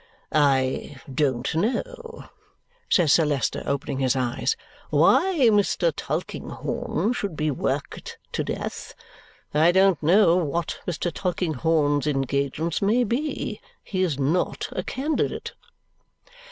"I don't know," says Sir Leicester, opening his eyes, "why Mr. Tulkinghorn should be worked to death. I don't know what Mr. Tulkinghorn's engagements may be. He is not a candidate."